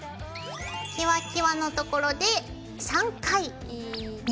キワキワのところで３回ねじります。